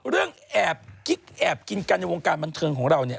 เรื่องแอบคลิกแอบกินกันอย่างวงการบรรเทิร์นของเราเนี่ย